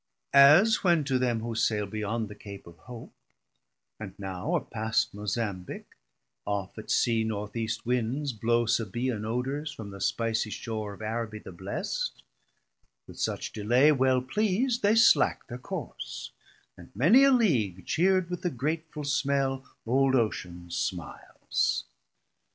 As when to them who saile Beyond the Cape Of Hope, and now are past 160 Mozambic, off at Sea North East windes blow Sabean Odours from the spicie shoare Of Arabie the blest, with such delay Well pleas'd they slack thir course, and many a League Cheard with the grateful smell old Ocean smiles.